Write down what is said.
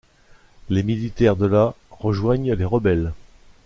Les militaires de la rejoignent les rebelles.